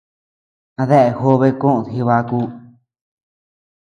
A déa jobe koʼod jibaku.